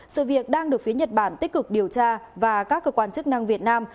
sự việc đang được phía nhật bản tích cực điều tra và các cơ quan chức năng việt nam